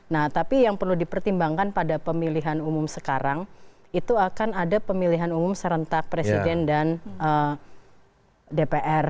nah tapi yang perlu dipertimbangkan pada pemilihan umum sekarang itu akan ada pemilihan umum serentak presiden dan dpr